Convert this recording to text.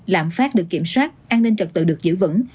lạm phát được kiểm soát an ninh trật tự được giữ vững